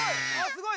すごい！